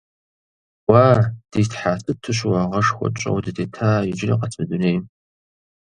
Уа, ди Тхьэ, сыту щыуагъэшхуэ тщӀэуэ дытета иджыри къэс мы дунейм!